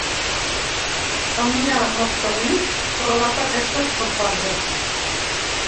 Ammià Marcel·lí relata aquestes campanyes.